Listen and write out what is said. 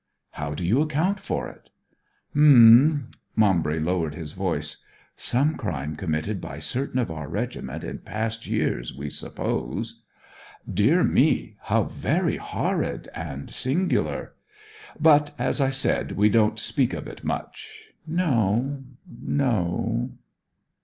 'How do you account for it?' 'H'm.' Maumbry lowered his voice. 'Some crime committed by certain of our regiment in past years, we suppose.' 'Dear me ... How very horrid, and singular!' 'But, as I said, we don't speak of it much.' 'No ... no.'